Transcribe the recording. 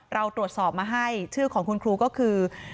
เราตรวจสอบมาให้ชื่อของคุณครูก็คือ